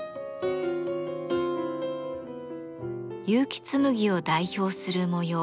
結城紬を代表する模様